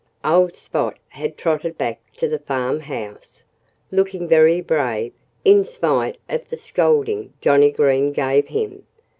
Old Spot had trotted back to the farmhouse, looking very brave, in spite of the scolding Johnnie Green gave him.